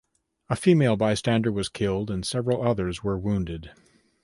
A female bystander was killed and several others were wounded.